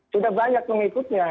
sudah banyak mengikutnya